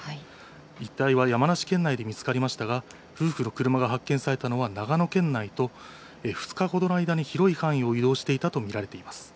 遺体は山梨県内で見つかりましたが夫婦の車が発見されたのは長野県内と、２日ほどの間に広い範囲を移動していたと見られています。